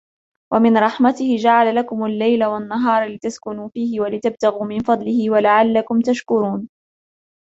ومن رحمته جعل لكم الليل والنهار لتسكنوا فيه ولتبتغوا من فضله ولعلكم تشكرون